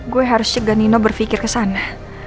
gue harus cegah nino berfikir kesana